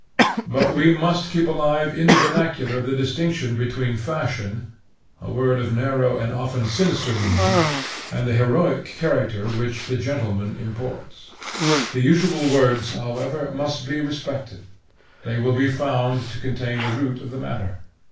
But we must keep alive in the vernacular the distinction between fashion, a word of narrow and often sinister meaning, and the heroic character which the gentleman imports. The usual words, however, must be respected; they will be found to contain the root of the matter.